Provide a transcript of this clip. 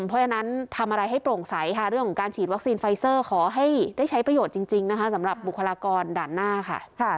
เพราะฉะนั้นทำอะไรให้โปร่งใสค่ะเรื่องของการฉีดวัคซีนไฟเซอร์ขอให้ได้ใช้ประโยชน์จริงนะคะสำหรับบุคลากรด่านหน้าค่ะ